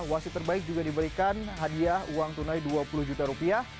wasit terbaik juga diberikan hadiah uang tunai dua puluh juta rupiah